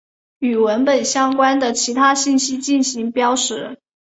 与文本相关的其他信息进行标识。